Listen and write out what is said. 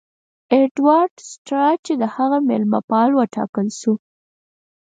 ایډوارډ سټراچي د هغه مېلمه پال وټاکل سو.